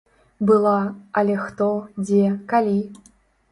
Была, але хто, дзе, калі?